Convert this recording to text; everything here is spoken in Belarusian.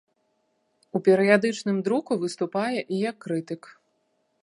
У перыядычным друку выступае і як крытык.